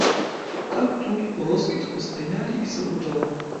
Так тут уроскідку стаялі і забудовы.